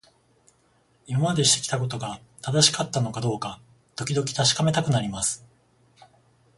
今までしてきたことが正しかったのかどうか、時々確かめたくなります。